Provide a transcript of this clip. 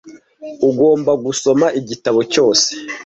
Ugomba gusoma igitabo cyose.